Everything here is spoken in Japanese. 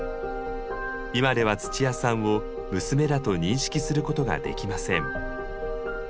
今ではつちやさんを娘だと認識することができません。